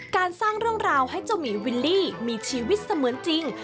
สร้างเรื่องราวให้เจ้าหมีวิลลี่มีชีวิตเสมือนจริง